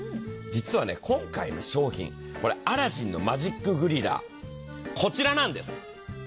実は今回の商品、アラジンのマジックグリラー、こちらなんです。